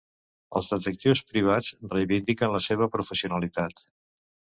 Els detectius privats reivindiquen la seva professionalitat.